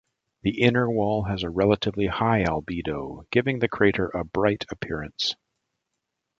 The inner wall has a relatively high albedo, giving the crater a bright appearance.